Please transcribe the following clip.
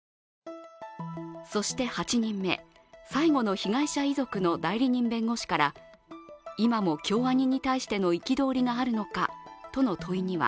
そして８人目、最後の被害者遺族の代理人弁護士から今も京アニに対しての憤りがあるのかとの問いには